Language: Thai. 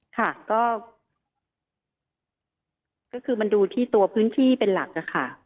ค่ะก็คือมันดูที่ตัวพื้นที่เป็นหลักนะคะ